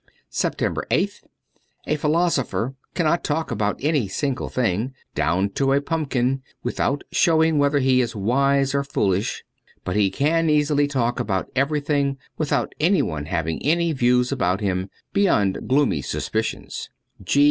280 SEPTEMBER 8th A PHILOSOPHER cannot talk about any single thing, down to a pumpkin, without showing whether he is wise or foolish ; but he can easily talk about everything without anyone having any views about him, beyond gloomy suspicions.